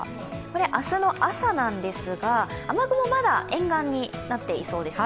明日の朝なんですが、雨雲、まだ沿岸にいそうですね。